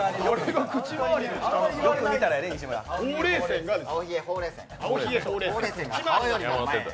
ほうれい線がですよ。